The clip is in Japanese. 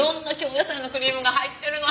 野菜のクリームが入ってるの。